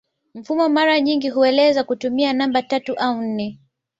Mfumo mara nyingi huelezewa kutumia namba tatu au nne